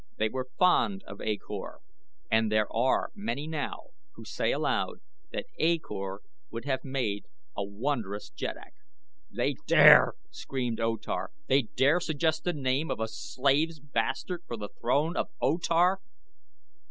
They were fond of A Kor and there are many now who say aloud that A Kor would have made a wondrous jeddak." "They dare?" screamed O Tar. "They dare suggest the name of a slave's bastard for the throne of O Tar!"